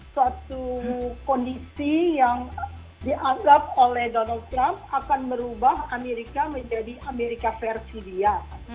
suatu kondisi yang dianggap oleh donald trump akan merubah amerika menjadi amerika versi dia